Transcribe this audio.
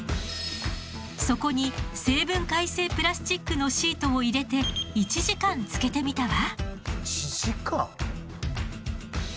そこに生分解性プラスチックのシートを入れて１時間つけてみたわ。